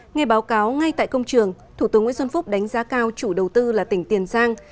nghe báo cáo ngay tại công trường thủ tướng nguyễn xuân phúc đánh giá cao chủ đầu tư là tỉnh tiền giang